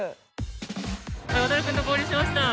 ワタル君と合流しました。